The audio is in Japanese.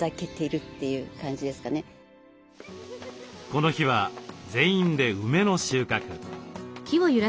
この日は全員で梅の収穫。